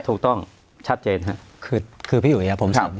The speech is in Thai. ถูกต้องชัดเจนค่ะ